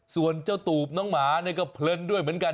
ส่วนเจ้าตูบน้องหมาเนี่ยก็เพลินด้วยเหมือนกัน